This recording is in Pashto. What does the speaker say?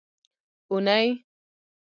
اونۍ